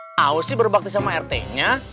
gak tau sih berbakti sama rt nya